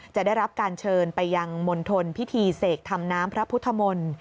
จะได้รับการเชิญไปยังมณฑลพิธีเสกทำน้ำพระพุทธมนตร์